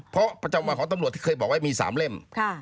เพราะประจำวันของตำรวจที่เคยบอกว่ามี๓เล่ม